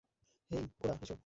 হেই কোডা, এসো।